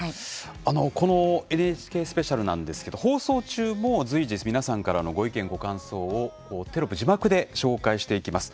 このＮＨＫスペシャルですが放送中も随時、皆さんからのご意見、ご感想をテロップ、字幕でご紹介していきます。